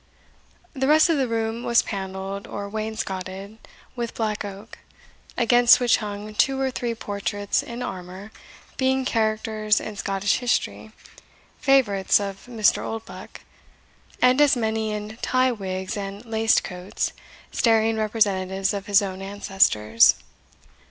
The rest of the room was panelled, or wainscotted, with black oak, against which hung two or three portraits in armour, being characters in Scottish history, favourites of Mr. Oldbuck, and as many in tie wigs and laced coats, staring representatives of his own ancestors.